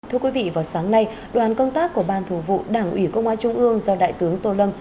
thưa quý vị vào sáng nay đoàn công tác của ban thủ vụ đảng ủy công an trung ương do đại tướng tô lâm